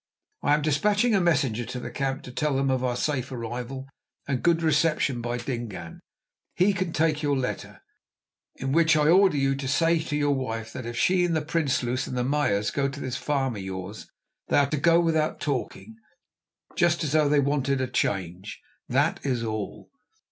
I am despatching a messenger to the camp to tell them of our safe arrival and good reception by Dingaan. He can take your letter, in which I order you to say to your wife that if she and the Prinsloos and the Meyers go to this farm of yours, they are to go without talking, just as though they wanted a change, that is all.